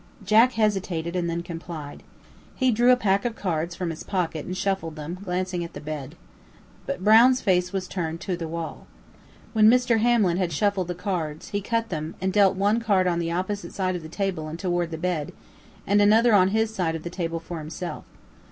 Jack hesitated, and then complied. He drew a pack of cards from his pocket and shuffled them, glancing at the bed. But Brown's face was turned to the wall. When Mr. Hamlin had shuffled the cards, he cut them, and dealt one card on the opposite side of the table and toward the bed, and another on his side of the table for himself.